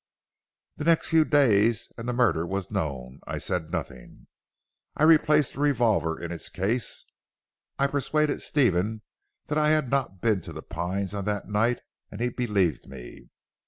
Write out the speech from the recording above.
"The next few days and the murder was known. I said nothing. I replaced the revolver in its case; I persuaded Stephen that I had not been to 'The Pines' on that night, and he believed me.